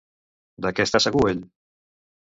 De què està segur ell?